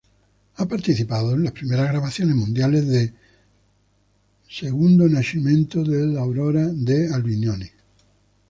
Ha participado en las primeras grabaciones mundiales de "Il Nascimento dell' Aurora" de Albinoni.